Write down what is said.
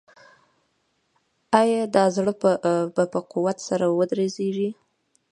آیا دا زړه به په قوت سره ودرزیږي؟